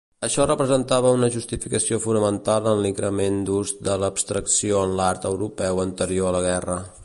Això representava una justificació fonamental en l'increment d'ús de l'abstracció en l'art europeu anterior a la guerra.